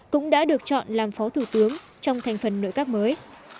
cũng đã được chọn làm phó thủ tướng trong thành phần nội các mới